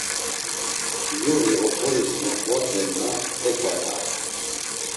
Luği oxoris moǩvatvenna eǩvatare.